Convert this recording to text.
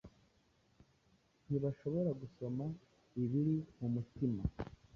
ntibashobora gusoma ibiri mu mutima